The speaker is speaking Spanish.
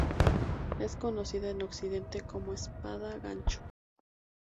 Es conocida en Occidente como espada gancho.